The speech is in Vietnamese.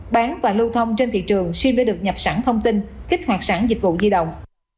bán và lưu thông trên thị trường sim đã được nhập sẵn thông tin kích hoạt sẵn dịch vụ di động